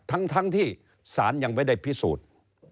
ทั้งที่ศาลยังไม่ได้พิสูจน์